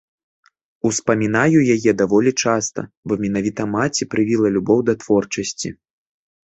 Успамінаю яе даволі часта, бо менавіта маці прывіла любоў да творчасці.